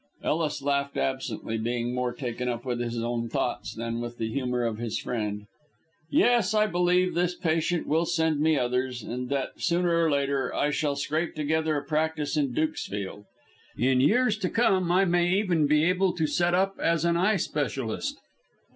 Ellis laughed absently, being more taken up with his own thoughts than with the humour of his friend. "Yes, I believe this patient will send me others, and that, sooner or later, I shall scrape together a practice in Dukesfield. In years to come I may even be able to set up as an eye specialist."